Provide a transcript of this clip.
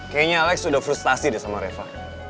kayaknya alex sudah frustasi deh sama reva